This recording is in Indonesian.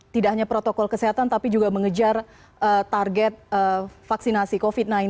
tidak hanya protokol kesehatan tapi juga mengejar target vaksinasi covid sembilan belas